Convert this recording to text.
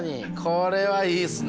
これはいいですね。